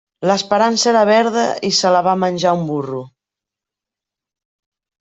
L'esperança era verda i se la va menjar un burro.